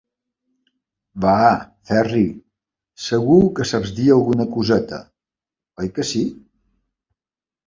Vaaa, Ferri, segur que saps dir alguna coseta, oi que sí?